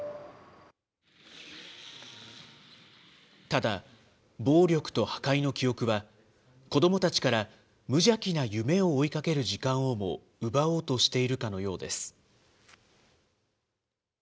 ただ、暴力と破壊の記憶は、子どもたちから無邪気な夢を追いかける時間をも奪おうとしているかのようです。